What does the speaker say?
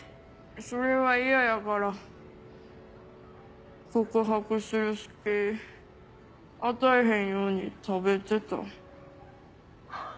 それは嫌やから告白する隙与えへんように食べてた。